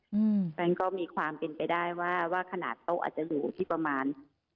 เพราะฉะนั้นก็มีความเป็นไปได้ว่าขนาดโต๊ะอาจจะอยู่ที่ประมาณ